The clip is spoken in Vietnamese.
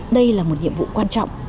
đây là một nhiệm vụ quan trọng